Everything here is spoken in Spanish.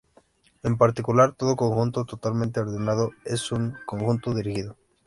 En particular, todo conjunto totalmente ordenado es un conjunto dirigido.